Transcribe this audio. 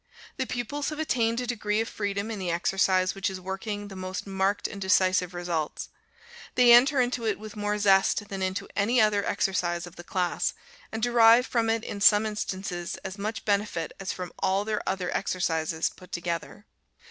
The pupils have attained a degree of freedom in the exercise which is working the most marked and decisive results. They enter into it with more zest than into any other exercise of the class, and derive from it in some instances as much benefit as from all their other exercises put together.